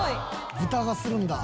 ブタがするんだ！